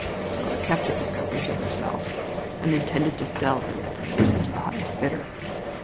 Tilda kept the discovery to herself, and intended to sell her information to the highest bidder.